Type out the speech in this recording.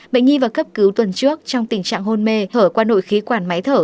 bệnh nhi vào cấp cứu tuần trước trong tình trạng hôn mê thở qua nội khí quản máy thở